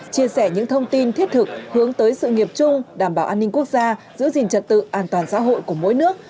chia sẻ những thông tin thiết thực hướng tới sự nghiệp chung đảm bảo an ninh quốc gia giữ gìn trật tự an toàn xã hội của mỗi nước